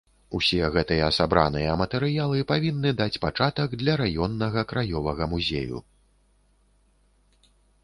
Усе гэтыя сабраныя матэрыялы павінны даць пачатак для раённага краёвага музею.